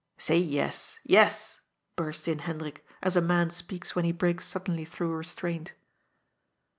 " Say yes, yes," burst in Hendrik, as a man speaks when he breaks suddenly through restraint.